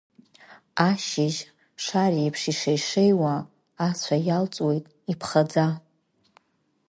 Ашьыжь шареиԥш ишеишеиуа, ацәа иаалҵуеит иԥхаӡа.